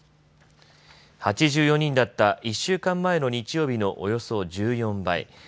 ８４人だった１週間前の日曜日のおよそ１４倍。